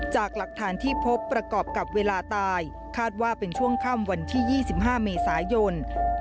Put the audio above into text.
จากหลักฐานที่พบประกอบกับเวลาตายคาดว่าเป็นช่วงค่ำวันที่๒๕เมษายน